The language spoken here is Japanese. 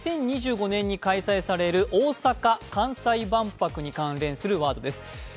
２０２５年に開催される大阪・関西万博に関連するワードです。